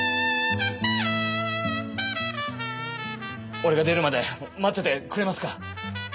俺が出るまで待っててくれますか？